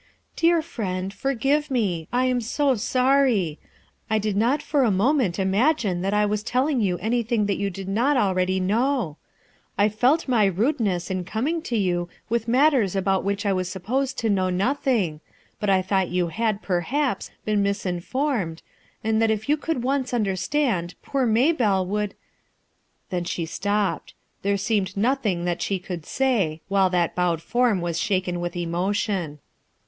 "Dear friend, forgive me; I am ^ mrTy | t did not for a moment imagine that I was telling you anything that you did not already know. I felt my rudeness in coming to you with mat ters about which I was supposed to know noth ing, but I thought you had, perhaps, been mis informed, and that if you could once understand poor Maybelle would —" Then she stopped. There seemed nothing that she could say, while that bowed form was shaken, with emotion.